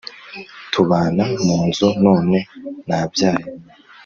tubana mu nzu None nabyaye